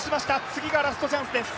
次がラストチャンスです。